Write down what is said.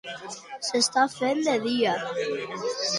S'estava fent de dia?